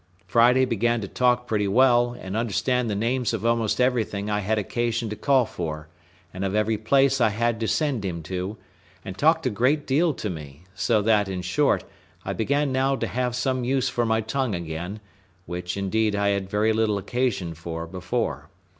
Friday began to talk pretty well, and understand the names of almost everything I had occasion to call for, and of every place I had to send him to, and talked a great deal to me; so that, in short, I began now to have some use for my tongue again, which, indeed, I had very little occasion for before.